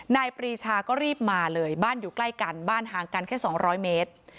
ปรีชาก็รีบมาเลยบ้านอยู่ใกล้กันบ้านห่างกันแค่๒๐๐เมตร